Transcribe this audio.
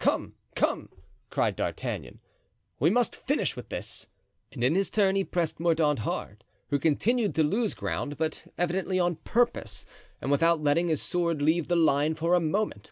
"Come, come," cried D'Artagnan, "we must finish with this," and in his turn he pressed Mordaunt hard, who continued to lose ground, but evidently on purpose and without letting his sword leave the line for a moment.